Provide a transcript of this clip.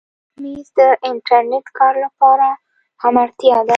مېز د انټرنېټ کار لپاره هم اړتیا ده.